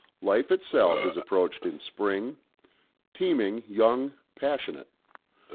Life itself is approached in spring, teeming, young, passionate.